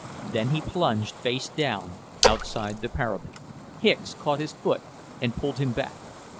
Then he plunged, face down, outside the parapet. Hicks caught his foot and pulled him back.